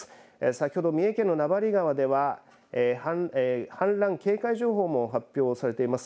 先ほど三重県の名張川では氾濫警戒情報も発表されています。